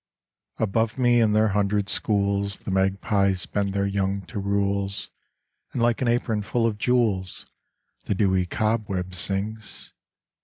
Above me in their hundred schools The magpies bend their young to rules, And like an apron full of jewels The dewy cobweb swings.